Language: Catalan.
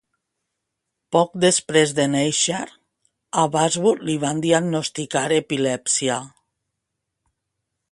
Poc després de néixer, a Washburn li van diagnosticar epilèpsia.